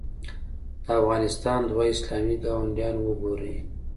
د افغانستان دوه اسلامي ګاونډیان وګورئ.